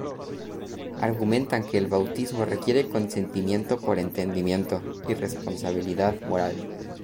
Argumentan que el bautismo requiere consentimiento por entendimiento, y responsabilidad moral.